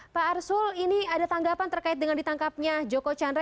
pak arsul ini ada tanggapan terkait dengan ditangkapnya joko chandra